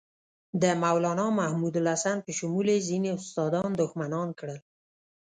د مولنا محمودالحسن په شمول یې ځینې استادان دښمنان کړل.